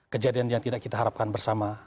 kejadian yang tidak kita harapkan bersama